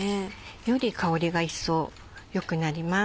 より香りが一層良くなります。